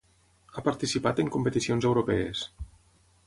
Ha participat en competicions europees.